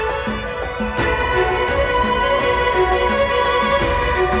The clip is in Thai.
สวัสดีครับสวัสดีครับ